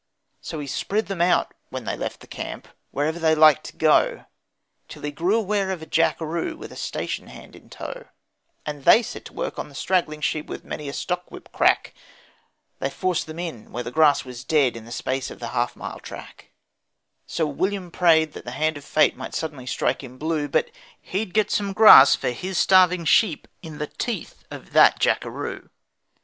So he spread them out when they left the camp wherever they liked to go, Till he grew aware of a Jackaroo with a station hand in tow, And they set to work on the straggling sheep, and with many a stockwhip crack They forced them in where the grass was dead in the space of the half mile track; So William prayed that the hand of fate might suddenly strike him blue But he'd get some grass for his starving sheep in the teeth of that Jackaroo.